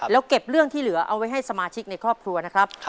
แล้วเก็บเรื่องที่เหลือเอาไว้ให้สมาชิกในครอบครัวนะครับ